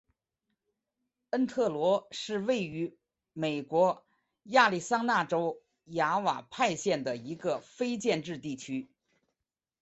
恩特罗是位于美国亚利桑那州亚瓦派县的一个非建制地区。